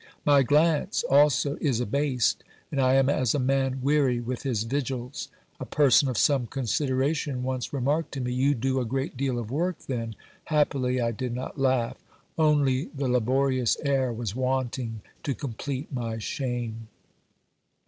My glance also is abased, and I am as a man weary with his vigils. A person of some consideration once remarked to me :" You do a great deal of work then !" Happily I did not laugh. Only the laborious air was wanting to complete my shame.